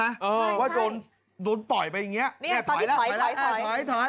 ใช่มั้ยเออว่าโดนโดนต่อยไปอย่างเงี้ยเนี้ยต่อยแล้วต่อยต่อย